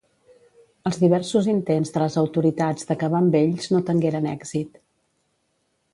Els diversos intents de les autoritats d'acabar amb ells no tengueren èxit.